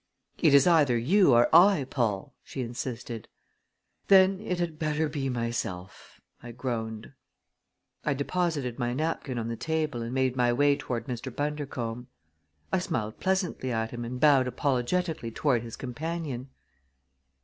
"It is either you or I, Paul!" she insisted. "Then it had better be myself," I groaned. I deposited my napkin on the table and made my way toward Mr. Bundercombe. I smiled pleasantly at him and bowed apologetically toward his companion.